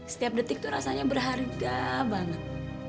setiap detik tuh rasanya berharga banget